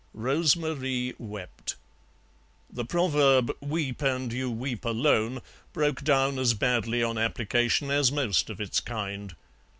Rose Marie wept. The proverb "Weep and you weep alone," broke down as badly on application as most of its kind.